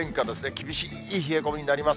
厳しい冷え込みになります。